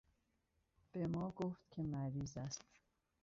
به ما گفت که مریض است.